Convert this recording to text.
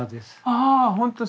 あほんとだ。